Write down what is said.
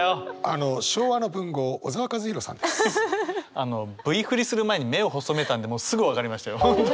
あのＶフリする前に目を細めたんでもうすぐ分かりましたよ。